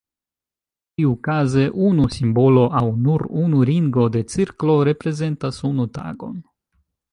Tiukaze unu simbolo aŭ nur unu ringo de cirklo reprezentas unu tagon.